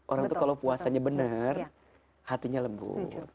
orang itu kalau puasanya benar hatinya lembut